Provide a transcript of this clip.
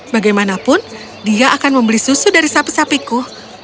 bagaimanapun dia akan membeli susu dari sapi sapiku